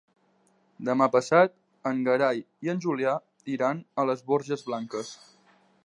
Demà passat en Gerai i en Julià iran a les Borges Blanques.